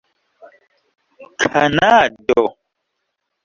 kanado